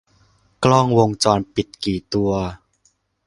กล้องวงจรปิดกี่ตัว